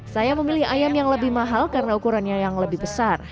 saya memilih ayam yang lebih mahal karena ukurannya yang lebih besar